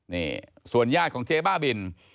นี่ส่วนญาติของเจ๊บ้าบิน